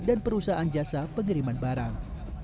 dan perusahaan jasa pengiriman barang